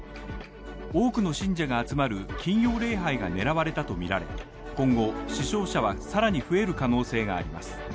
多くの信者が集まる金曜礼拝が狙われたとみられ、今後、死傷者はさらに増える可能性があります。